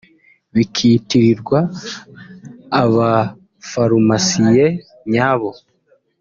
bikitirirwa abafarumasiye nyabo